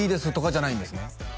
じゃないです